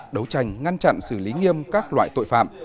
đấu tranh ngăn chặn xử lý nghiêm các loại tội phạm